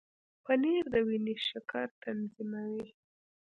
پنېر د وینې شکر تنظیموي.